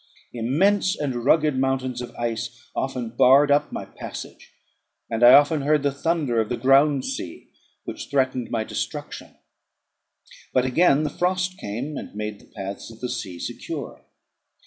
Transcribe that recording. Immense and rugged mountains of ice often barred up my passage, and I often heard the thunder of the ground sea, which threatened my destruction. But again the frost came, and made the paths of the sea secure.